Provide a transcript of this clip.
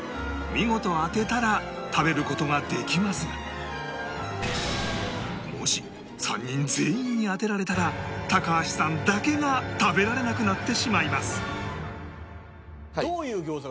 見事当てたら食べる事ができますがもし３人全員に当てられたら高橋さんだけが食べられなくなってしまいます